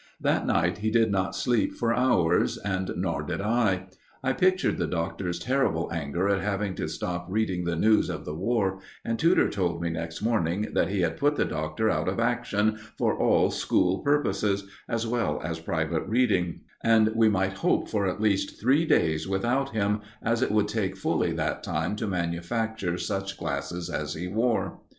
That night he did not sleep for hours, and more did I. I pictured the Doctor's terrible anger at having to stop reading the news of the War, and Tudor told me next morning that he had put the Doctor out of action for all school purposes, as well as private reading, and we might hope for at least three days without him, as it would take fully that time to manufacture such glasses as he wore.